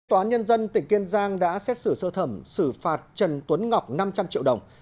tòa án nhân dân tỉnh kiên giang đã xét xử sơ thẩm xử phạt trần tuấn ngọc năm trăm linh triệu đồng